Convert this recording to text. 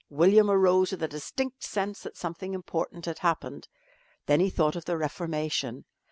William arose with a distinct sense that something important had happened. Then he thought of the reformation.